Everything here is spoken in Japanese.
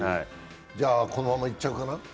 このままいっちゃうかな？